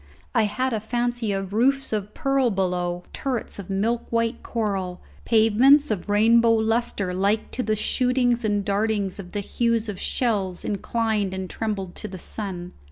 I had a fancy of roofs of pearl below, turrets of milk white coral, pavements of rainbow lustre like to the shootings and dartings of the hues of shells inclined and trembled to the sun.